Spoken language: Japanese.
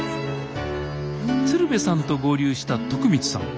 鶴瓶さんと合流した徳光さん